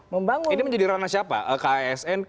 membangun ini menjadi ranah siapa kasn